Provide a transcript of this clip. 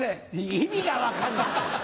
意味が分かんない！